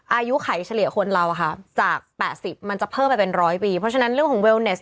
อายุไข่เฉลี่ยคนเราอ่ะคะจาก๘๐มันจะเพิ่มไปเป็น๑๐๐ปีเพราะฉะนั้นความปลอมของจมัก